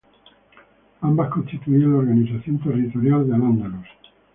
Ambas constituían la organización territorial de al-Ándalus.